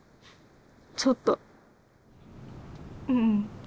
ちょっとうん。